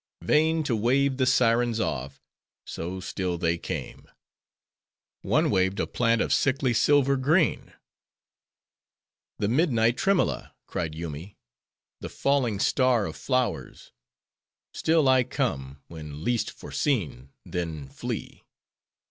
Vain to wave the sirens off; so still they came. One waved a plant of sickly silver green. "The Midnight Tremmella!" cried Yoomy; "the falling star of flowers!— Still I come, when least foreseen; then flee."